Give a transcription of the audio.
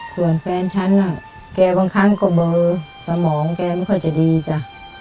ส่วนแฟนฉันน่ะแกบางครั้งก็เบอร์สมองแกไม่ค่อยจะดีจ้ะ